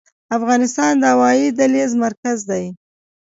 افغانستان د هوایي دهلیز مرکز دی؟